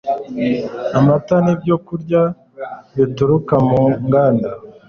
amata n'ibyo kurya bituruka mu nganda.